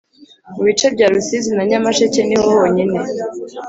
Mu bice bya Rusizi na Nyamasheke niho honyine